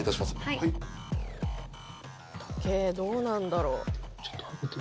はい時計どうなんだろう？